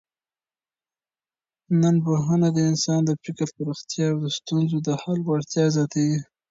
ننپوهنه د انسان د فکر پراختیا او د ستونزو د حل وړتیا زیاتوي.